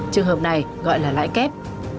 trường hợp này gọi là lãi kép